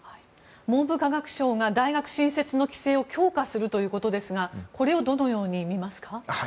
文部科学省が大学新設の規制を強化するということですがこれをどのようにみますか？